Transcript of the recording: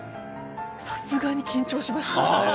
さすがに緊張しました。